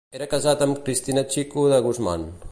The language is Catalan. Era casat amb Cristina Chico de Guzmán.